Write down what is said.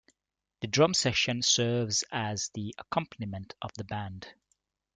The Drum section serves as the accompaniment of the band.